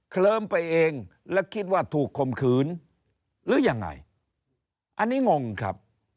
เคลิ้มไปเองและคิดว่าถูกคมขืนหรือยังไงอันนี้งงครับ